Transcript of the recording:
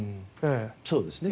そうですね。